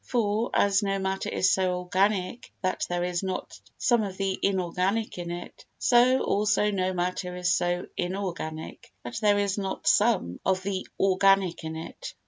For, as no matter is so organic that there is not some of the inorganic in it, so, also, no matter is so inorganic that there is not some of the organic in it.